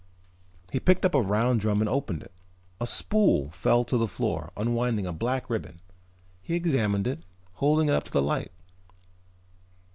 He picked up a round drum and opened it. A spool fell to the floor, unwinding a black ribbon. He examined it, holding it up to the light.